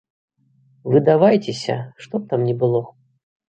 Выдавайцеся, што б там ні было.